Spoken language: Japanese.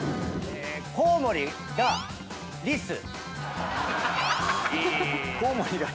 コウモリがリス？